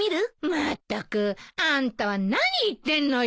まったくあんたは何言ってんのよ！